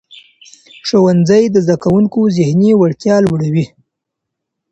ښوونځی د زدهکوونکو ذهني وړتیا لوړوي.